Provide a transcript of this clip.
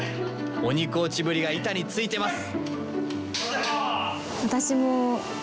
鬼コーチぶりが板についてます！